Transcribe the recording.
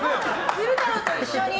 昼太郎と一緒に？